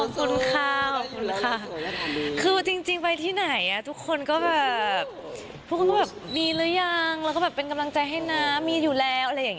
ขอบคุณค่ะคือจริงไปที่ไหนทุกคนก็แบบมีหรือยังเป็นกำลังใจให้นะมีอยู่แล้ว